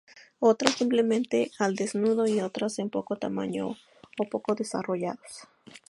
Otras, simplemente al desnudo y, otras, de poco tamaño o poco desarrollados.